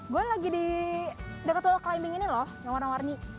gue lagi di dekat low climbing ini loh yang warna warni